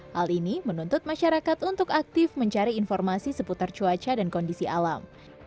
hal ini menuntut masyarakat untuk aktif mencari informasi seputar cuaca dan kondisi alam